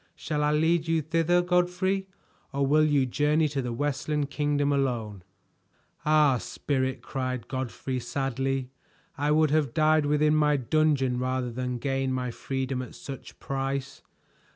Shall I lead you thither, Godfrey, or will you journey to the Westland Kingdom alone?" "Ah, Spirit!" cried Godfrey sadly, "I would have died within my dungeon rather than gain my freedom at such price.